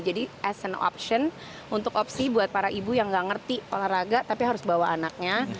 jadi as an option untuk opsi buat para ibu yang gak ngerti olahraga tapi harus bawa anaknya